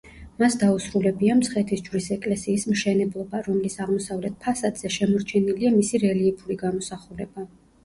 მას დაუსრულებია მცხეთის ჯვრის ეკლესიის მშენებლობა, რომლის აღმოსავლეთ ფასადზე შემორჩენილია მისი რელიეფური გამოსახულება.